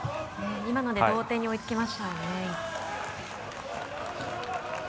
今ので同点に追いつきましたよね。